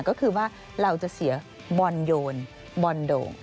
ก็คือว่าเราจะเสียบนโด